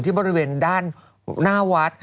บริเวณด้านหน้าวัด